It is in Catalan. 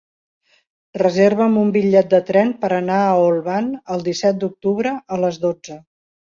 Reserva'm un bitllet de tren per anar a Olvan el disset d'octubre a les dotze.